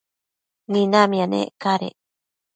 minamia nec cadec